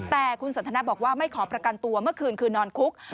แต่คุณสันทนาบอกว่าไม่ขอประกันตัวเมื่อคืนคือนอนคุก